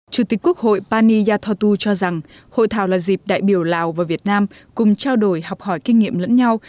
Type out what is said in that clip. chủ tịch quốc hội pani yathotu cho rằng hội thảo là dịp đại biểu lào và việt nam cùng trao đổi học hỏi kinh nghiệm lẫn nhau